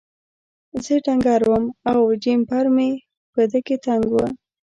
زه ډنګر وم او جمپر په ده کې تنګ و.